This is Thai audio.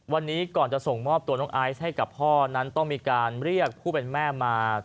วันนี้ก่อนจะส่งมอบตัวน้องไอซ์ให้กับพ่อนั้นต้องมีการเรียกผู้เป็นแม่มา